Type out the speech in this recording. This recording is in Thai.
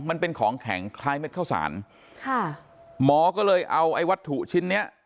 มันเป็นของแข็งคล้ายเม็ดข้าวสารค่ะหมอก็เลยเอาไอ้วัตถุชิ้นเนี้ย